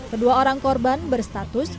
kedua orang korban berstatus